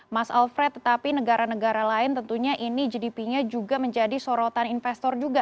mas alfred tetapi negara negara lain tentunya ini gdp nya juga menjadi sorotan investor juga